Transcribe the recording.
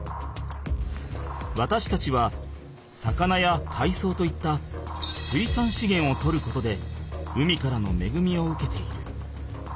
わたしたちは魚やかいそうといった水産資源をとることで海からのめぐみを受けている。